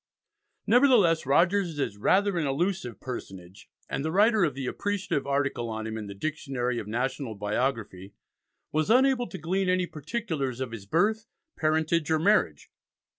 Nevertheless, Rogers is rather an elusive personage, and the writer of the appreciative article on him in the "Dictionary of National Biography" was unable to glean any particulars of his birth, parentage, or marriage.